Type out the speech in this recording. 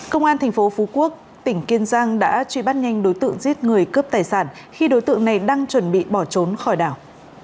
công an thành phố phú quốc tỉnh kiên giang đã truy bắt nhanh đối tượng giết người cướp tài sản khi đối tượng này đang chuẩn bị bỏ trốn khỏi đảo